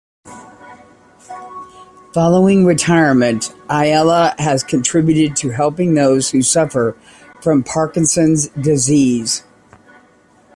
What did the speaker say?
Following retirement, Ayala has contributed to helping those who suffer from Parkinson's disease.